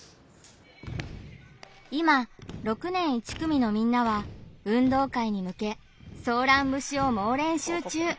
今６年１組のみんなは運動会に向けソーラン節を猛練習中。